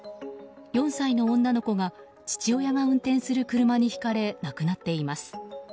４歳の女の子が父親が運転する車にひかれ亡くなっています。